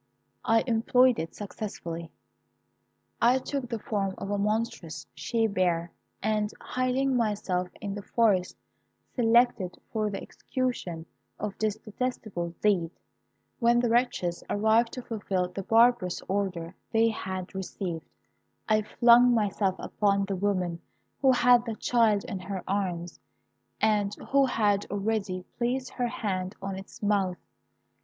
I employed it successfully. I took the form of a monstrous she bear, and, hiding myself in the forest selected for the execution of this detestable deed, when the wretches arrived to fulfil the barbarous order they had received, I flung myself upon the woman who had the child in her arms, and who had already placed her hand on its mouth.